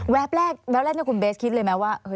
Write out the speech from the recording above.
แวบแรกแวบแรกคุณเบสคิดเลยมั้ยว่า